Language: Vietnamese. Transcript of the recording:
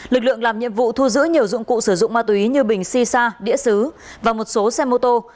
lực lượng làm nhiệm vụ thu giữ nhiều dụng cụ sử dụng ma túy như bình shisha đĩa xứ và một số xe mô tô